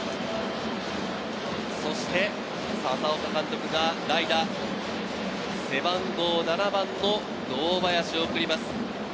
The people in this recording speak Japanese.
そして佐々岡監督が代打、背番号７番の堂林を送ります。